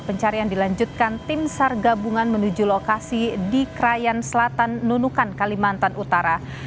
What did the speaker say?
pencarian dilanjutkan tim sar gabungan menuju lokasi di krayan selatan nunukan kalimantan utara